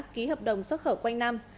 ký hợp đồng xuất khẩu quanh năm